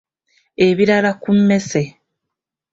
Ebirala ku mmese.